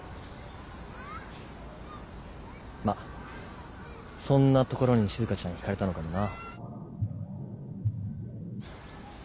まあそんなところにしずかちゃん引かれたのかもな。